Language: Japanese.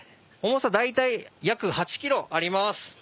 重さ大体約８ｋｇあります。